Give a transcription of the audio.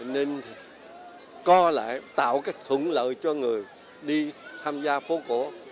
nên co lại tạo cái thuận lợi cho người đi tham gia phố cổ